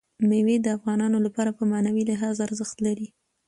مېوې د افغانانو لپاره په معنوي لحاظ ارزښت لري.